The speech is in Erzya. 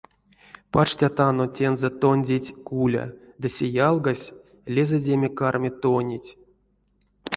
Пачтятано тензэ тондеть куля, ды се ялгась лезэдеме карми тонеть.